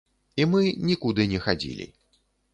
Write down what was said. І мы нікуды не хадзілі.